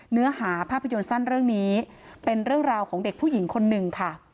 เนื้อหาภาพยนตร์สั้นเรื่องนี้เป็นเรื่องราวของเด็กผู้หญิงคนหนึ่งค่ะ